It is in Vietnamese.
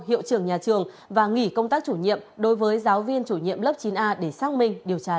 hiệu trưởng nhà trường và nghỉ công tác chủ nhiệm đối với giáo viên chủ nhiệm lớp chín a để xác minh điều tra